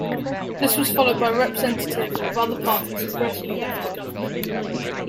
This was followed by representative of other parties who gradually left the government.